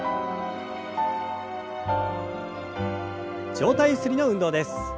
上体ゆすりの運動です。